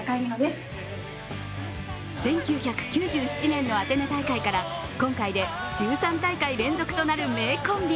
１９９７年のアテネ大会から今回で１３大会連続となる名コンビ。